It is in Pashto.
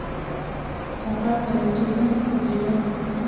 هغه وویل چې زه نه پوهیږم.